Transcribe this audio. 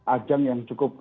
ajang yang cukup